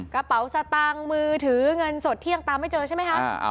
กระเป๋าสตางค์มือถือเงินสดที่ยังตามไม่เจอใช่ไหมคะ